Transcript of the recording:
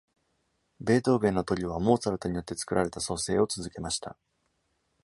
ベートーベンのトリオはモーツァルトによって作られた組成を続けました。